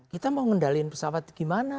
kita mau ngendaliin pesawat gimana